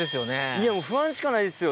いやもう不安しかないですよ。